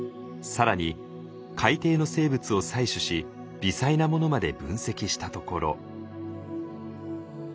更に海底の生物を採取し微細なものまで分析したところ。